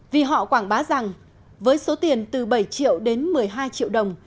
vì họ quảng bá rằng với số tiền từ bảy triệu đến một mươi hai triệu đồng